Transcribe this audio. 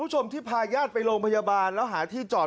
ผู้ชมทุกเลยผ่านไปสี่รุ่ง